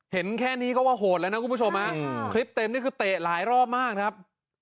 เห็นแค่นี้ก็ว่าโหดแล้วนะคุณผู้ชมฮะคลิปเต็มนี่คือเตะหลายรอบมากครับ